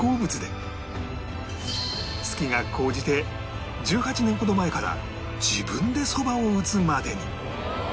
好きが高じて１８年ほど前から自分でそばを打つまでに